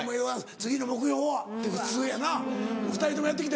「次の目標は？」って普通やな２人ともやってきたよな？